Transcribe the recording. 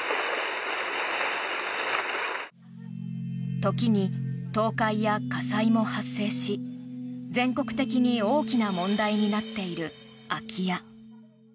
時に倒壊や火災も発生し全国的に大きな問題になっている空き家。